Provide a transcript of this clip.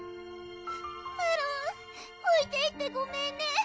マロンおいていってごめんね